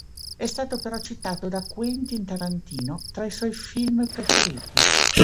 È stato però citato da Quentin Tarantino tra i suoi film preferiti.